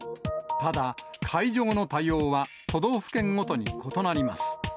ただ、解除後の対応は都道府県ごとに異なります。